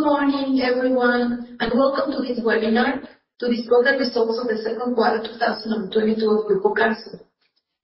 Good morning, everyone, welcome to this webinar to discuss the results of the second quarter 2022 of Grupo Carso.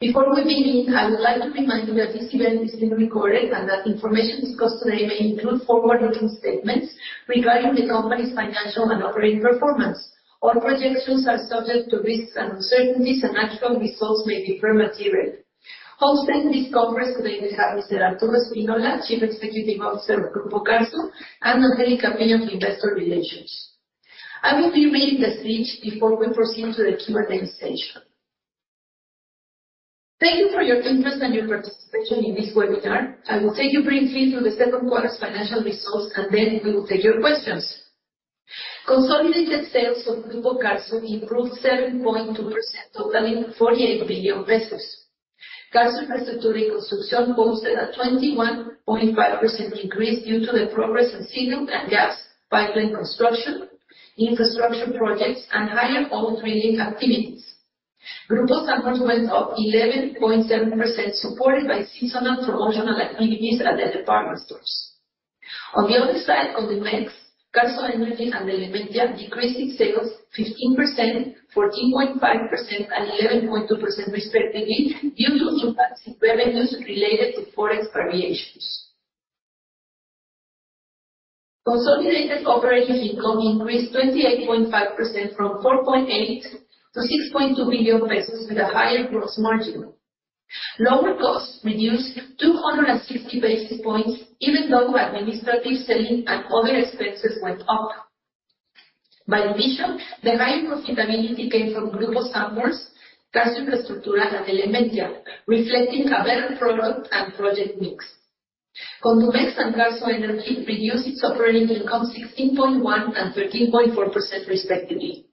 Before we begin, I would like to remind you that this event is being recorded, that information discussed today may include forward-looking statements regarding the company's financial and operating performance. All projections are subject to risks and uncertainties, actual results may differ materially. Hosting this conference today, we have Mr. Arturo Spínola, Chief Executive Officer of Grupo Carso, and Angélica Piña, Investor Relations. I will be reading the speech before we proceed to the Q&A session. Thank you for your interest and your participation in this webinar. I will take you briefly through the second quarter's financial results, then we will take your questions. Consolidated sales of Grupo Carso improved 7.2%, totaling 48 billion pesos. Carso Infrastructure and Construction posted a 21.5% increase due to the progress in CICSA and gas pipeline construction, infrastructure projects, and higher oil drilling activities. Grupo Sanborns went up 11.7%, supported by seasonal promotional activities at the department stores. On the other side, Condumex, Carso Energy, and Elementia decreased in sales 15%, 14.5%, and 11.2% respectively, due to revenues related to forex variations. Consolidated operating income increased 28.5% from 4.8 billion-6.2 billion pesos, with a higher gross margin. Lower costs reduced 260 basis points, even though administrative selling and other expenses went up. By division, the high profitability came from Grupo Sanborns, Carso Infrastructure, and Elementia, reflecting a better product and project mix. Condumex and Carso Energy reduced its operating income 16.1 and 13.4%, respectively.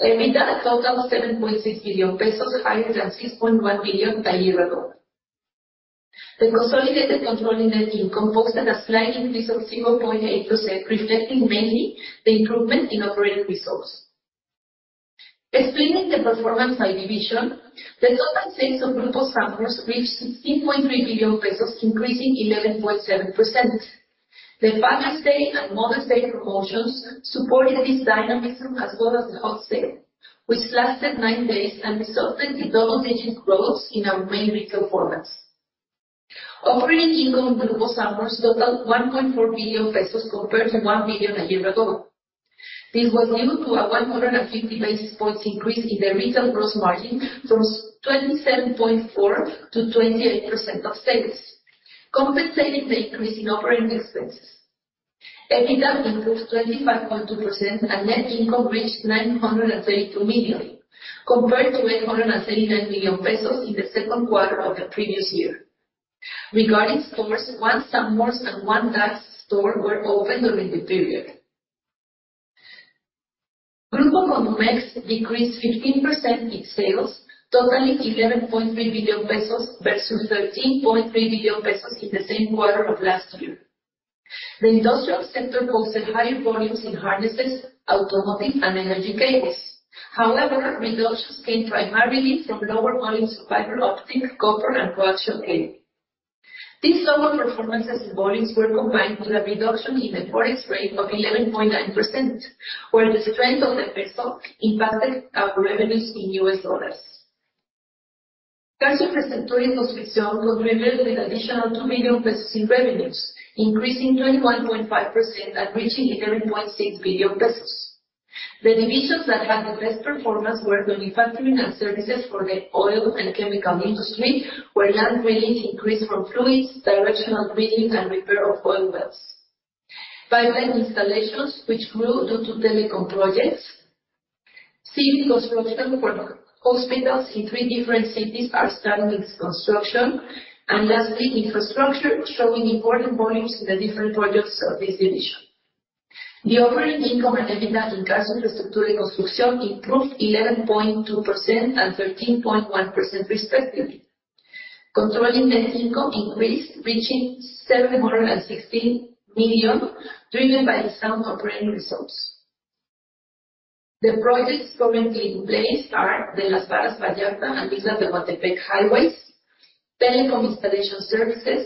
EBITDA totaled MXN 7.6 billion, higher than MXN 6.1 billion a year ago. The consolidated controlling net income posted a slight increase of 0.8%, reflecting mainly the improvement in operating results. Explaining the performance by division, the total sales of Grupo Sanborns reached 16.3 billion pesos, increasing 11.7%. The Father's Day and Mother's Day promotions supported this dynamism, as well as the wholesale, which lasted 9 days and resulted in double-digit growth in our main retail formats. Operating income in Grupo Sanborns totaled 1.4 billion pesos compared to 1 billion a year ago. This was due to a 150 basis points increase in the retail gross margin, from 27.4% to 28% of sales, compensating the increase in operating expenses. EBITDA improved 25.2%, and net income reached 932 million, compared to 839 million pesos in the second quarter of the previous year. Regarding stores, one Sanborns and one DAX store were opened during the period. Grupo Condumex decreased 15% in sales, totaling 11.3 billion pesos versus 13.3 billion pesos in the same quarter of last year. The industrial sector posted higher volumes in harnesses, automotive, and energy cables. Reductions came primarily from lower volumes of fiber optic, copper, and coaxial cable. These lower performances and volumes were combined with a reduction in the Forex rate of 11.9%, where the strength of the peso impacted our revenues in US dollars. Carso Infrastructure and Construction contributed an additional 2 billion pesos in revenues, increasing 21.5% and reaching 11 point CICSA billion. The divisions that had the best performance were manufacturing and services for the oil and chemical industry, where land drilling increased from fluids, directional drilling, and repair of oil wells. Pipeline installations, which grew due to telecom projects. Civil construction, where hospitals in 3 different cities are starting its construction. Lastly, infrastructure, showing important volumes in the different projects of this division. The operating income and EBITDA in Carso Infrastructure and Construction improved 11.2% and 13.1%, respectively. Controlling net income increased, reaching 716 million, driven by sound operating results. The projects currently in place are the Las Margaritas and Vista del Valle highways, telecom installation services,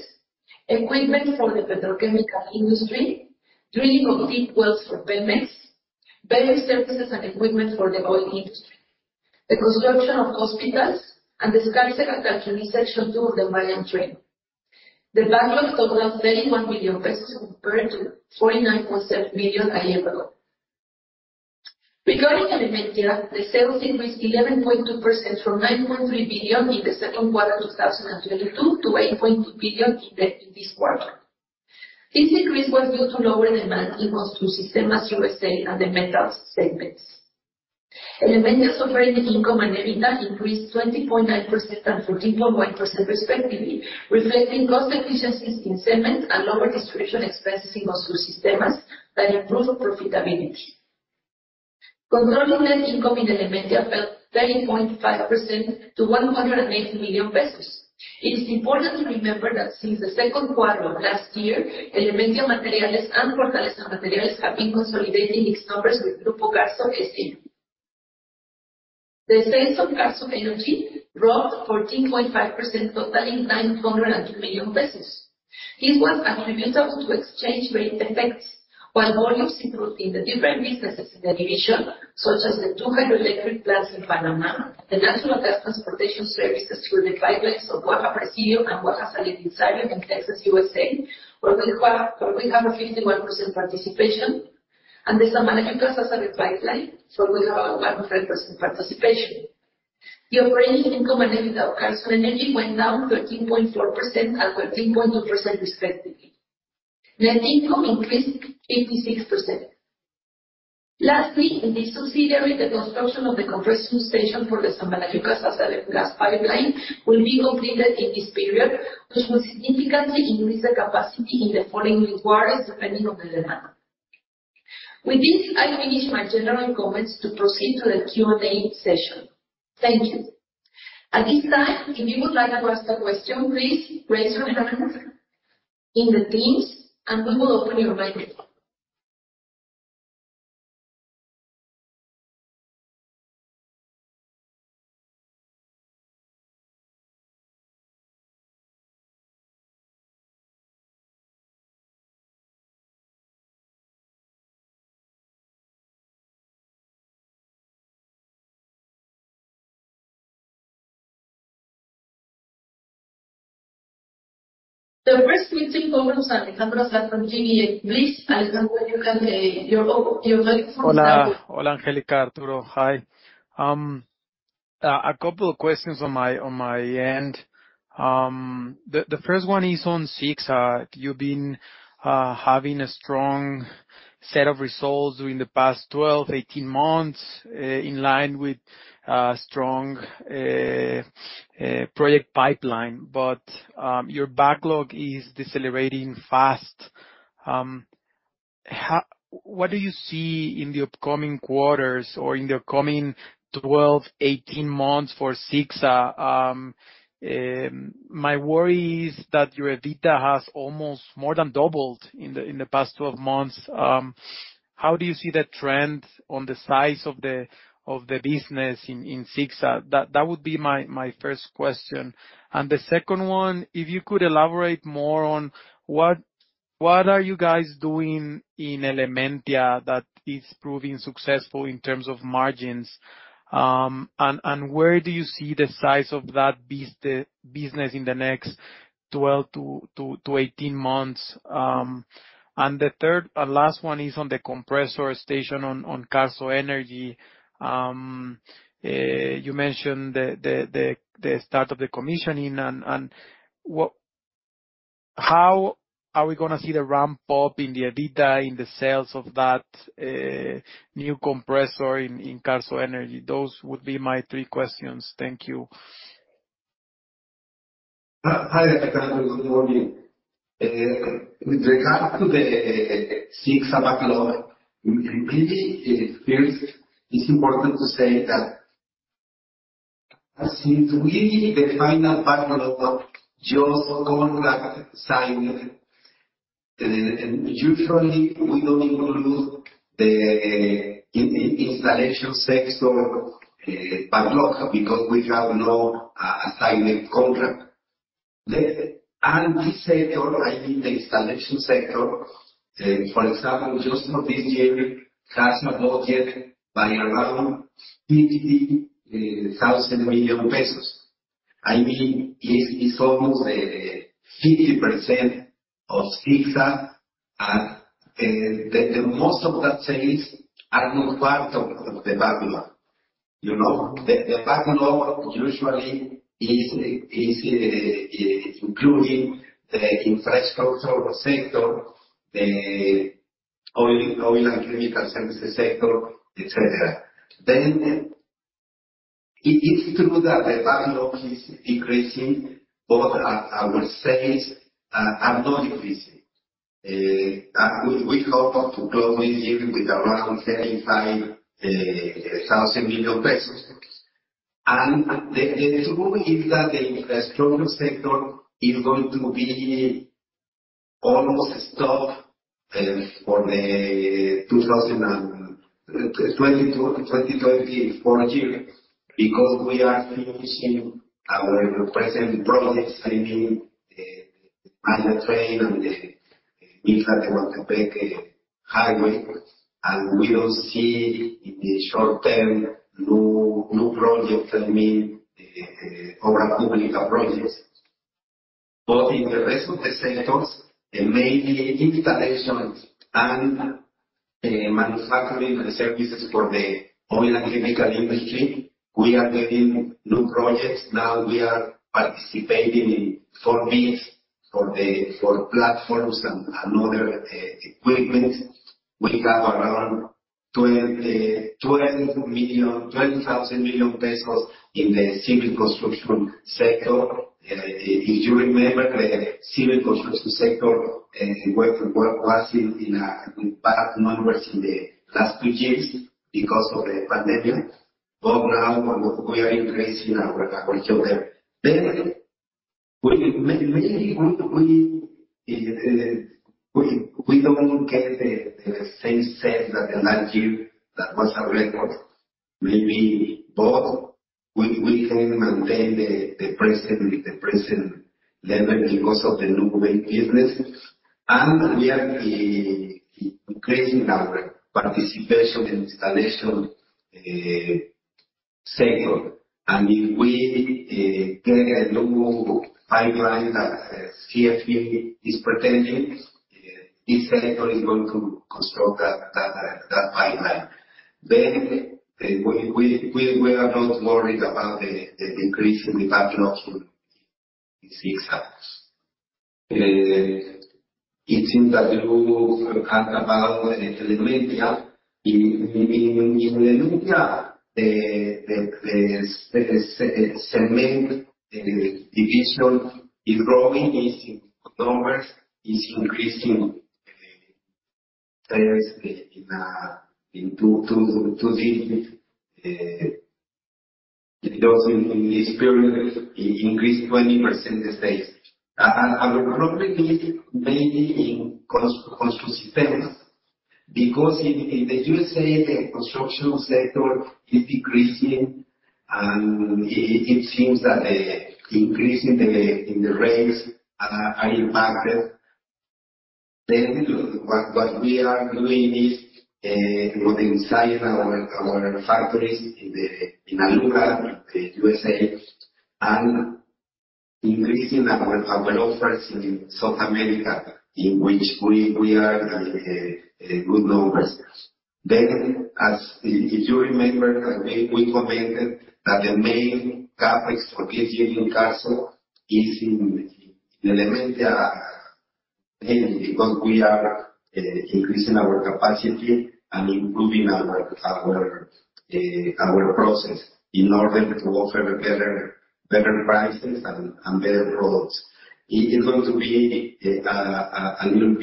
equipment for the petrochemical industry, drilling of deep wells for Pemex, various services and equipment for the oil industry, the construction of hospitals, and the Skarstedt and section two of the Mayan Train. The backlog totaled 31 billion pesos, compared to 49.7 billion a year ago. Regarding Elementia, the sales increased 11.2% from 9.3 billion in 2Q 2022 to 8.2 billion in this quarter. This increase was due to lower demand in Construsistemas USA and the metals segments. Elementia's operating income and EBITDA increased 20.9% and 14.1%, respectively, reflecting cost efficiencies in cement and lower distribution expenses in Construsistemas that improved profitability. Controlling net income in Elementia fell 13.5% to 180 million pesos. It is important to remember that since the second quarter of last year, Elementia Materiales and Fortaleza Materiales have been consolidating its numbers with Grupo Carso, S.A. The sales of Carso Energy rose 14.5%, totaling 902 million pesos. This was attributable to exchange rate effects, while volumes improved in the different businesses in the division, such as the two hydroelectric plants in Panama, the natural gas transportation services through the pipelines of Guajaca and Guaca in Texas, USA, where we have a 51% participation, and the Zama gas pipeline, where we have a 100% participation. The operating income and EBITDA of Carso Energy went down 13.4% and 13.2%, respectively. Net income increased 86%. Lastly, in this subsidiary, the construction of the compression station for the Zama gas pipeline will be completed in this period, which will significantly increase the capacity in the following quarters, depending on the demand. With this, I finish my general comments to proceed to the Q&A session. Thank you. At this time, if you would like to ask a question, please raise your hand in the Teams, and we will open the microphone. The first question comes from Alejandro from GBM. Please, Alejandro, you can, your line is open. Hola. Hola, Angélica, Arturo. Hi, a couple of questions on my end. The first one is on CICSA. You've been having a strong set of results during the past 12, 18 months, in line with strong project pipeline, your backlog is decelerating fast. What do you see in the upcoming quarters or in the coming 12, 18 months for CICSA? My worry is that your EBITDA has almost more than doubled in the past 12 months. How do you see the trend on the size of the business in CICSA? That would be my first question. The second one, if you could elaborate more on what are you guys doing in Elementia that is proving successful in terms of margins? Where do you see the size of that business in the next 12 to 18 months? The third and last one is on the compressor station on Carso Energy. You mentioned the start of the commissioning. How are we gonna see the ramp up in the EBITDA, in the sales of that new compressor in Carso Energy? Those would be my three questions. Thank you. Hi, Alejandro. Good morning. With regard to the CICSA backlog, really, first, it's important to say that since we, the final backlog, just contract signing, and usually we don't include the installation sector backlog, because we have no assignment contract. This sector, I mean, the installation sector, for example, just for this year, has backlog by around MXN 50 thousand million. I mean, it is almost 50% of CICSA, and the most of that sales are not part of the backlog. You know, the backlog usually is including the infrastructure sector, the oil and chemical services sector, et cetera. It's true that the backlog is increasing, but our sales are not increasing. We hope to close this year with around MXN 35,000 million. The truth is that the infrastructure sector is going to be almost stopped for the 2022-2024 year, because we are finishing our present projects. I mean, Maya Train and the Isthmus of Tehuantepec highway, and we don't see in the short term, new projects, I mean, over public projects. In the rest of the sectors, maybe installations and manufacturing services for the oil and chemical industry, we are getting new projects. Now we are participating in four bids for platforms and other equipment. We have around 20,000 million pesos in the civil construction sector. If you remember, the civil construction sector was in bad numbers in the last 2 years because of the pandemic, but now we are increasing our share there. Maybe we don't get the same sales that the last year, that was our record. Maybe, but we can maintain the present, with the present level because of the new business. We are increasing our participation in installation sector. If we get a new pipeline that CFE is pretending, this sector is going to construct that pipeline. We are not worried about the decrease in the pipeline in CICSA months. It seems that you forgot about Elementia. In Elementia, the cement division is growing, is in numbers, is increasing, first in 2 digits. Those in this period increased 20% this days. Our problem is maybe in construction, because in the USA, the construction sector is decreasing, and it seems that increasing the rates are impacted. What we are doing is modernizing our factories in Aluga, the USA, and increasing our offers in South America, in which we are at good numbers. As if you remember, we commented that the main CapEx for this year in Carso is in Elementia. Because we are increasing our capacity and improving our process in order to offer better prices and better products. It is going to be a little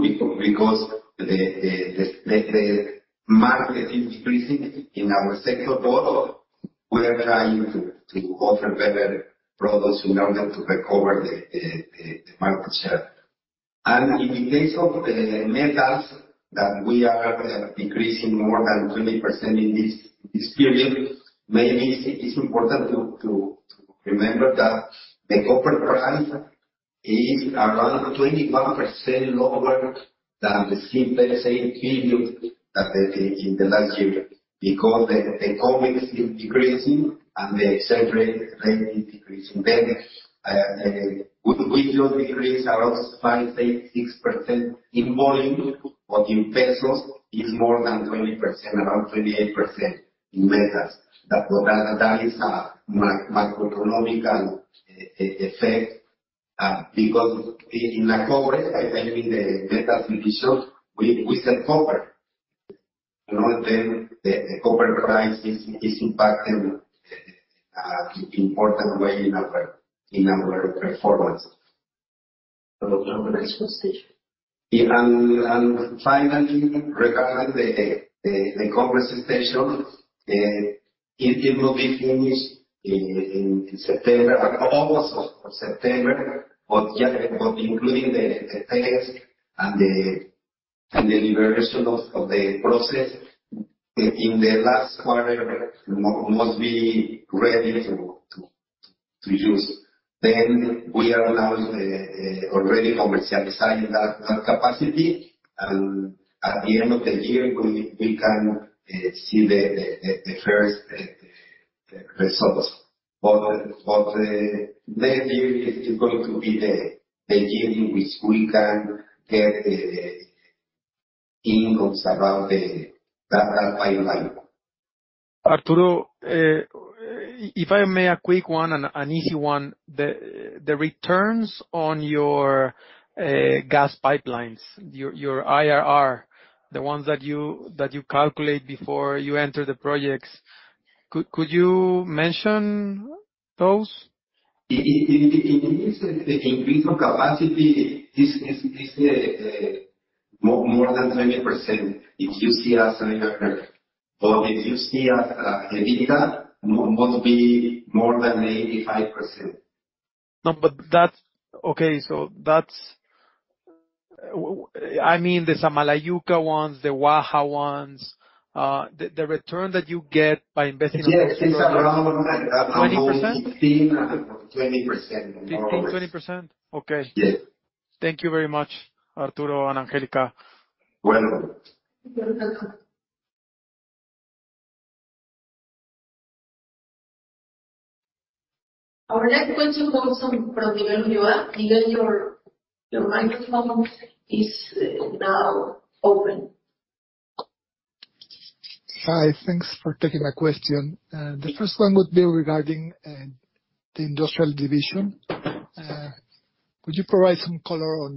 bit difficult because the market is decreasing in our sector, but we are trying to offer better products in order to recover the market share. In the case of metals, that we are increasing more than 20% in this period, maybe it's important to remember that the corporate brand is around 21% lower than the same period that the in the last year. Because the economy is decreasing and the exchange rate is decreasing. We just decrease around 5 to CICSA percent in volume, but in MXN is more than 20%, around 28% in metals. That is a macroeconomical effect because in the corporate, I mean, the metals division, we sell copper. You know, the copper price is impacting important way in our performance. Finally, regarding the compression station, it will be finished in September, August or September. Yeah, including the test and the liberation of the process, in the last quarter, must be ready to use. We are now already commercializing that capacity, and at the end of the year, we can see the first results. Next year is going to be the year in which we can get incomes around the data pipeline. Arturo, if I may, a quick one and an easy one. The returns on your gas pipelines, your IRR, the ones that you calculate before you enter the projects, could you mention those? In terms of increasing capacity, this is a more than 20%, if you see us in there. If you see us, EBITDA, must be more than 85%. No, but that's... Okay, that's I mean, the Samalayuca ones, the Waha ones, the return that you get by investing- Yes, it's. 20%? 15%, 20%. 15%, 20%? Okay. Yes. Thank you very much, Arturo and Angélica. Welcome. You're welcome. Our next question comes from Miguel Ulloa. Miguel, your microphone is now open. Hi. Thanks for taking my question. The first one would be regarding the industrial division. Could you provide some color on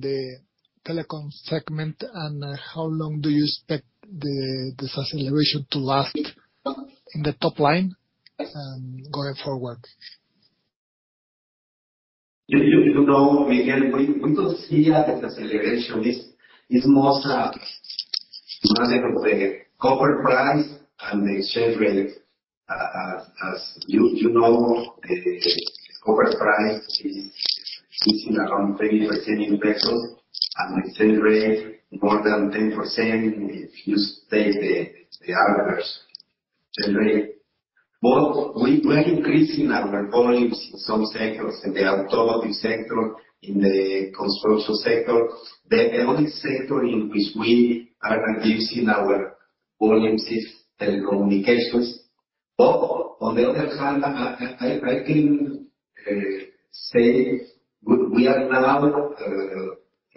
the telecom segment, and how long do you expect this acceleration to last in the top line, going forward? You know, Miguel, we don't see a deceleration. It's more a matter of the copper price and the exchange rate. As you know, the copper price is sitting around 30% in pesos, and the exchange rate more than 10%, if you take the average exchange rate. We are increasing our volumes in some sectors, in the automotive sector, in the construction sector. The only sector in which we are reducing our volumes is telecommunications. On the other hand, I think, we are now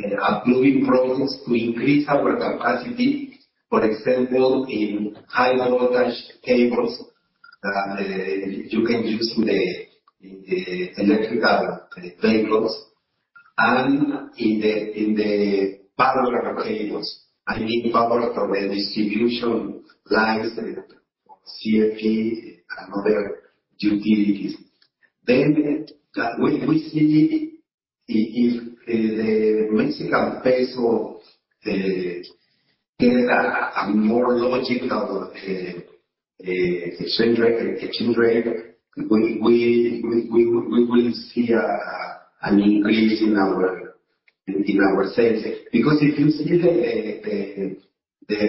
approving process to increase our capacity. For example, in high voltage cables, you can use in the electrical vehicles and in the power cables. I mean, power for the distribution lines for CFE and other utilities. We see if the Mexican peso get a more logical exchange rate, we will see an increase in our sales. If you see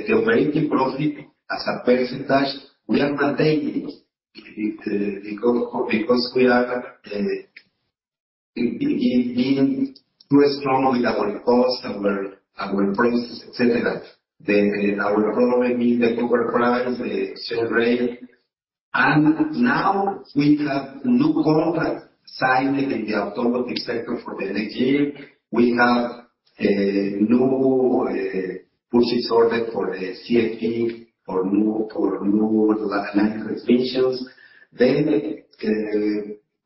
the operating profit as a %, we are maintaining it. Because we are being too strong with our cost, our prices, et cetera. Our problem is the copper price, the exchange rate. Now we have new contract signed in the automotive sector for the next year. We have new purchase order for the CFE or new line transmissions.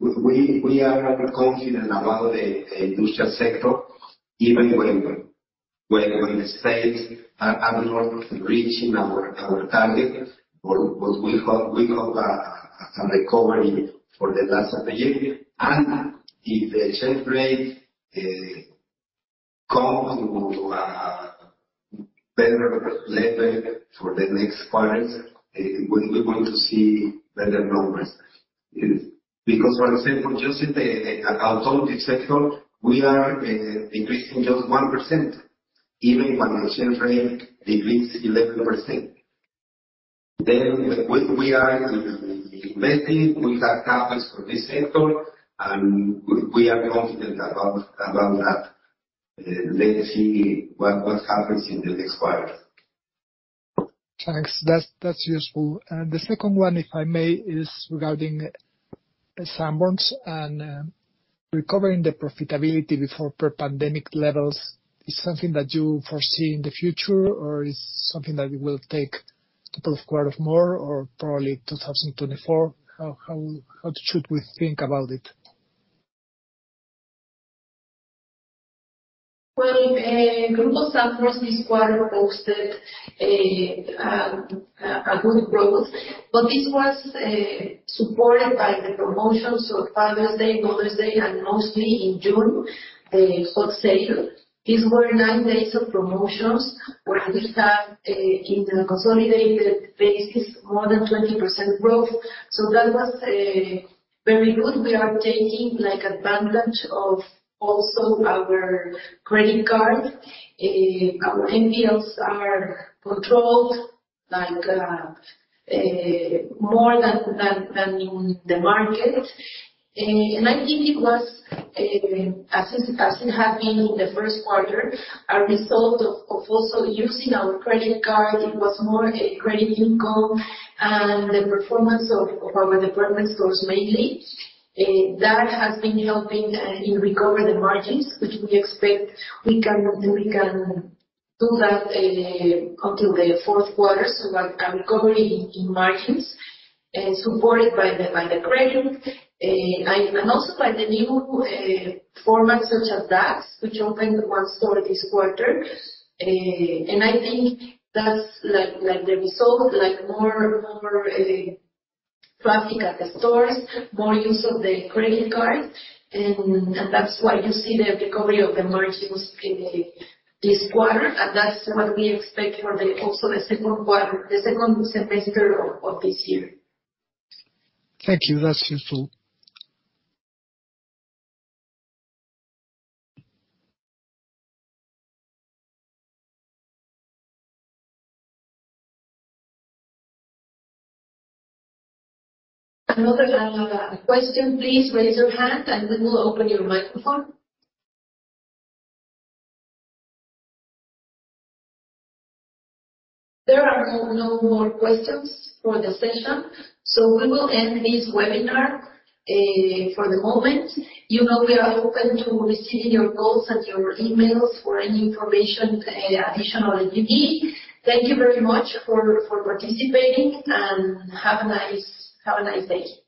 We are confident about the industrial sector, even when the states are not reaching our target. We hope a recovery for the last of the year. If the exchange rate comes to a better level for the next quarters, we're going to see better numbers. For example, just in the automotive sector, we are increasing just 1%, even when the exchange rate decreased 11%. We are investing, we have confidence for this sector, and we are confident about that. Let's see what happens in the next quarter. Thanks. That's, that's useful. The second one, if I may, is regarding Sanborns. recovering the profitability before pre-pandemic levels is something that you foresee in the future, or is something that will take couple of quarter more, or probably 2024? How should we think about it? Grupo Sanborns this quarter posted a good growth, but this was supported by the promotions of Father's Day, Mother's Day, and mostly in June, the Hot Sale. These were 9 days of promotions where we had in the consolidated basis, more than 20% growth. That was very good. We are taking, like, advantage of also our credit card. Our NPLs are controlled, like, more than in the market. I think it was as it had been in the first quarter, a result of also using our credit card. It was more a credit income and the performance of our department stores, mainly. That has been helping in recover the margins, which we expect we can do that until the fourth quarter. A recovery in margins, supported by the credit, and also by the new formats such as Dax, which opened one store this quarter. I think that's, like, the result, more traffic at the stores, more use of the credit card, and that's why you see the recovery of the margins in the this quarter. That's what we expect for the also the second quarter, the second semester of this year. Thank you. That's useful. Another question, please raise your hand, and then we'll open your microphone. There are no more questions for the session. We will end this webinar for the moment. You know, we are open to receiving your calls and your emails for any information additional that you need. Thank you very much for participating. Have a nice day.